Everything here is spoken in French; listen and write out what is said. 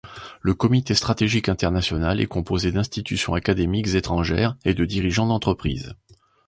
Le comité stratégique international est composé d'institutions académiques étrangères et de dirigeants d’entreprise.